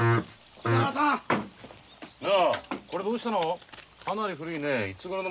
これどうしたの？